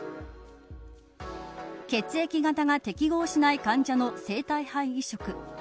血液型が適合しない患者の生体肺移植。